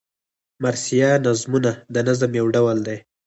مرثیه نظمونه د نظم یو ډول دﺉ.